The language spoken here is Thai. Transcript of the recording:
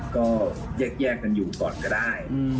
ก็แยกกันอยู่ก่อนก็ได้